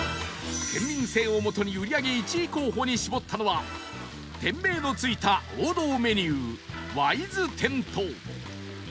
県民性を基に売り上げ１位候補に絞ったのは店名の付いた王道メニューわいず天と